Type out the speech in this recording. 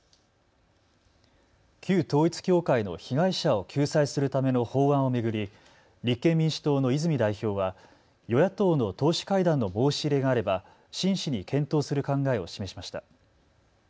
旧統一教会の被害者を救済するための法案を巡り立憲民主党の泉代表は与野党の党首会談の申し入れがあれば真摯に検討する考えを示しました。